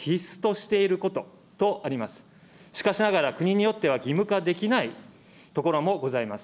しかしながら国によっては、義務化できない所もございます。